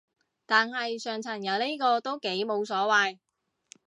但係上層有呢個都幾無謂